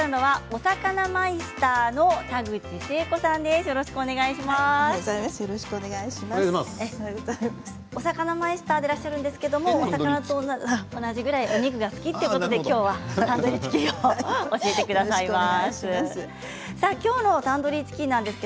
おさかなマイスターでいらっしゃるんですけれどもお魚と同じぐらいお肉が好きということできょうはタンドリーチキンを教えてくださいます。